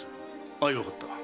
相わかった。